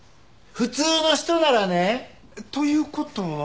普通の人ならね！という事は。